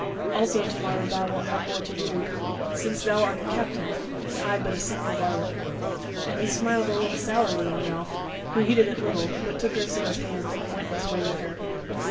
Also to morrow thou wilt have more to do; since thou art a captain, and I but a single varlet." And he smiled a little sourly on Ralph; who heeded it little, but took Ursula's hand and went his way with her.